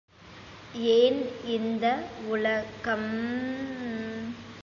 ஏன் இந்த உலகம்.........?......?